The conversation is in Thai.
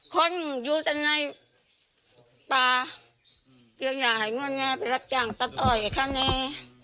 คนอยู่จากในป่ายังอยากให้เงินแน่ไปรับจ้างซะต้อยไอ้ข้าแน่